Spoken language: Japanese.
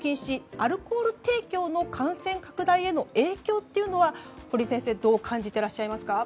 アルコール提供の感染拡大への影響というのは堀先生、どう感じていますか。